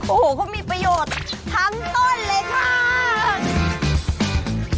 โอ้โหเขามีประโยชน์ทั้งต้นเลยค่ะ